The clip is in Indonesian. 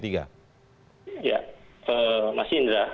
ya mas indra